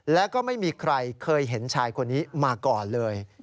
และก็ไม่มีใครเคยเห็นชายคนนี้มาก่อนเลย